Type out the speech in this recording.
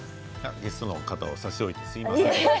ゲストの方を差し置いてすみません。